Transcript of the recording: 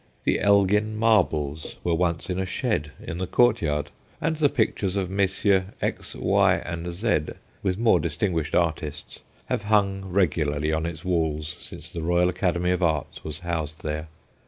The Elgin Marbles were once in a shed in the courtyard, and the pictures of Messrs. X, Y, and Z, with more distinguished artists, have hung regularly on its walls since the Royal Academy of Arts was housed there.